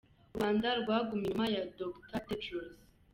U Rwanda rwagumye inyuma ya Dr Tedros.